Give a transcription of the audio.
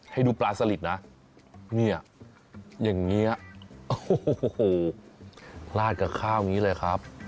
ให้ดูปลาสลิดนะเนี่ยอย่างนี้โอ้โหลาดกับข้าวอย่างนี้เลยครับ